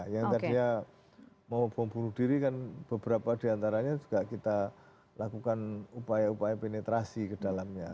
sehingga dia mau membunuh diri kan beberapa diantaranya juga kita lakukan upaya upaya penetrasi ke dalamnya